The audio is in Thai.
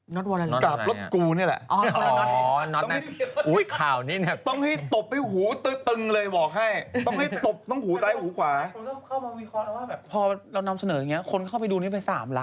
น็อตว่าอะไรอะอ๋อน็อตนี่แหละกลับรถกูนี่แหละ